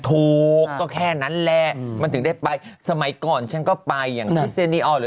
ถูกก็แค่นั้นแหละอืมมันถึงได้ไปสมัยก่อนฉันก็ไปอย่างอย่างที่